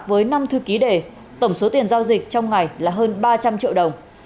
với năm thư ký đề tổng số tiền giao dịch trong ngày là hơn ba trăm linh triệu đồng